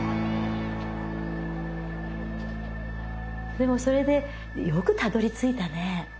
でもそれでよくたどりついたね。